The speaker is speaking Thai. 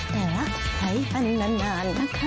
แต่หายฮันแล้วนานนะคะ